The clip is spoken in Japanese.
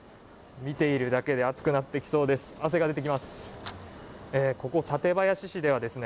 見ているだけで暑くなってきそうです。